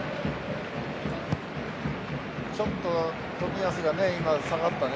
ちょっと冨安が下がったね。